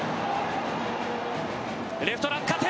レフト落下点。